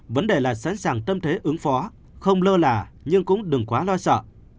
vấn đề là sẵn sàng tâm thế ứng phó không lơ là nhưng cũng đừng quá lo sợ